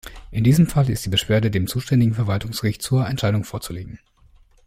In diesem Fall ist die Beschwerde dem zuständigen Verwaltungsgericht zur Entscheidung vorzulegen.